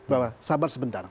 bahwa sabar sebentar